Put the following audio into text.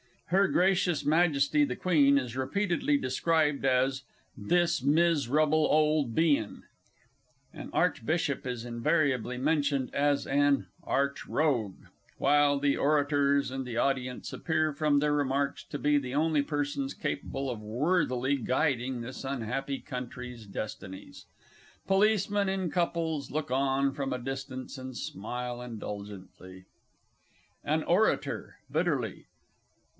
Her Gracious Majesty the Queen is repeatedly described as "this mis rubble ole bein'," an Archbishop is invariably mentioned as an "Arch rogue," while the orators and the audience appear from their remarks to be the only persons capable of worthily guiding this unhappy Country's destinies. Policemen in couples look on from a distance and smile indulgently._ AN ORATOR (bitterly).